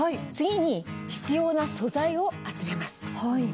次に必要な素材を集めます。